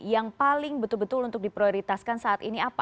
yang paling betul betul untuk diprioritaskan saat ini apa